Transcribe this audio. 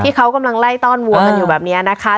ที่เขากำลังไล่ต้อนวัวกันอยู่แบบนี้นะคะ